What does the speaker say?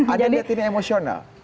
anda melihat ini emosional